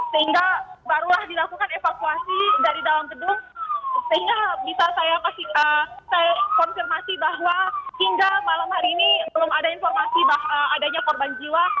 sehingga bisa saya konfirmasi bahwa hingga malam hari ini belum ada informasi bahwa adanya korban jiwa